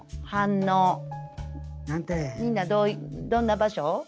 みんなどんな場所？